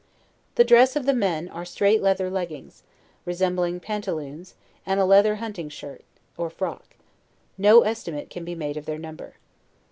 The dress of the men are straight leather leggins, resembling panta loons, and a leather hunting shirt, or frock. No estimate can be made of their number.